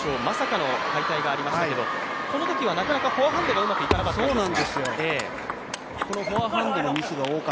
男子団体の準々決勝まさかの敗退がありましたけれどこのときは、なかなかフォアハンドがうまくいかなかったんですけど。